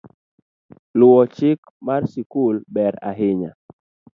Luwo chik mar sikul ber ahinya